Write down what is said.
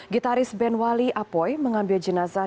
gitaris benwali apoy mengambil jenazah